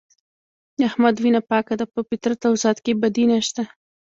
د احمد وینه پاکه ده په فطرت او ذات کې یې بدي نشته.